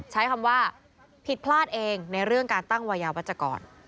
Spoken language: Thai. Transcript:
ใช้คำว่าผิดพลาดเองในเรื่องการตั้งวัยยาวัชกร